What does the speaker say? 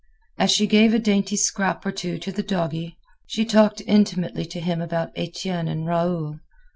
As she gave a dainty scrap or two to the doggie, she talked intimately to him about Etienne and Raoul.